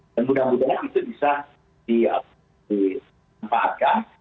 dan mudah mudahan itu bisa dikembangkan